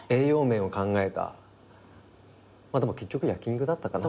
でも結局焼き肉だったかな？